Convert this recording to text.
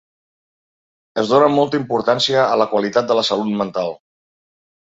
Es dona molta importància a la qualitat de la salut mental.